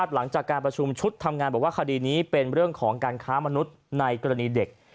หลังจากการประชุมชุดทำงานบอกว่าคดีนี้เป็นเรื่องของการค้ามนุษย์ในกรณีเด็ก